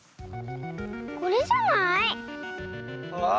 これじゃない？わあ！